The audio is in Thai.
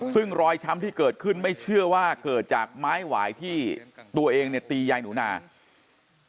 ซึ่งรอยช้ำที่เกิดขึ้นไม่เชื่อว่าเกิดจากไม้หวายที่ตัวเองเนี่ยตียายหนูนา